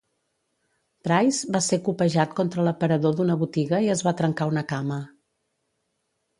Pryce va ser copejat contra l'aparador d'una botiga i es va trencar una cama.